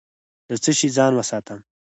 له څه شي ځان وساتم؟